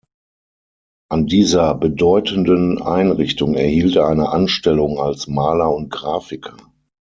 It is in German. An dieser bedeutenden Einrichtung erhielt er eine Anstellung als Maler und Grafiker.